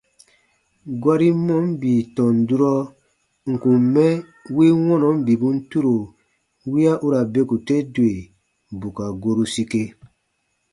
Gɔrin mɔɔn bii tɔn durɔ n kùn mɛ win wɔnɔn bibun turo wiya u ra beku te dwe bù ka goru sike.